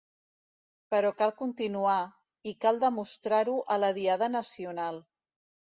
Però cal continuar, i cal demostrar-ho a la diada nacional.